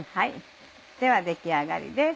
では出来上がりです。